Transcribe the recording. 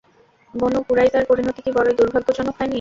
বনু কুরাইযার পরিণতি কি বড়ই দুর্ভাগ্যজনক হয়নি?